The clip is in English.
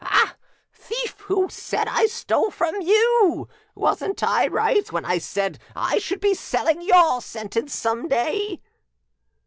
Ah! thief who said I stole from you! Wasn't I right when I said I should be selling your sentence some day?"